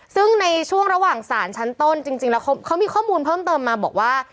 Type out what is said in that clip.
ซึ่งในช่วงระหว่างสารชั้นต้นจริงแล้วเขามีข้อมูลเพิ่มเติมมาบอกว่า